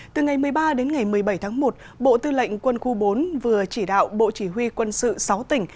từ ngày một mươi ba đến ngày một mươi bảy tháng một bộ tư lệnh quân khu bốn vừa chỉ đạo bộ chỉ huy quân sự sáu tỉnh